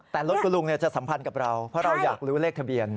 แต่รถคุณลุงจะสัมพันธ์กับเราเพราะเราอยากรู้เลขทะเบียน